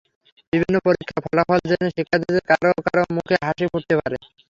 বিভিন্ন পরীক্ষার ফলাফল জেনে শিক্ষার্থীদের কারো কারও মুখে হাসি ফুটতে পারে।